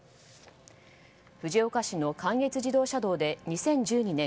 藤岡市の関越自動車道で２０１２年